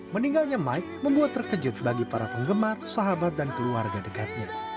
meninggalnya mike membuat terkejut bagi para penggemar sahabat dan keluarga dekatnya